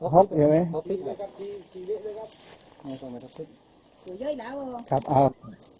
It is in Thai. เหลืองเท้าอย่างนั้น